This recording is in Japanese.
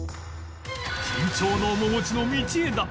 緊張の面持ちの道枝